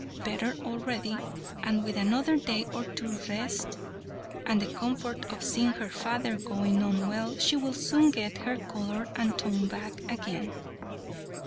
better already, and with another day or two's rest, and the comfort of seeing her father going on well, she will soon get her colour and tone back again."